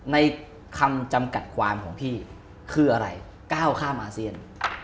ในคำจำกัดความของพี่คืออะไรก้าวข้ามอาเซียน